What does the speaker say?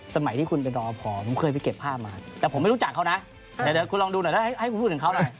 สมัยที่คุณเป็นรอพอผมเคยไปเก็บภาพมาแต่ผมไม่รู้จักเขานะเดี๋ยวคุณลองดูหน่อยได้ให้คุณพูดถึงเขาหน่อย